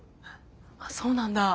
あそうなんだ。